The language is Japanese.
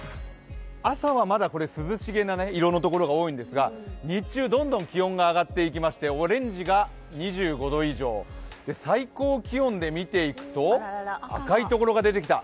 朝はまだ涼しげな色の所が多いんですが、日中どんどん気温が上がっていきまして、オレンジが２５度以上、最高気温で見ていくと赤いところが出てきた。